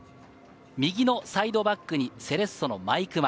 右のサイドバックにセレッソの毎熊。